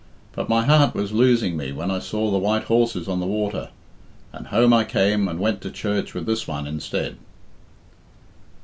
But my heart was losing me when I saw the white horses on the water, and home I came and went to church with this one instead."